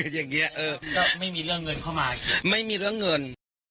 อย่างนี้ก็ไม่มีเรื่องเงินเข้ามาไม่มีเรื่องเงิน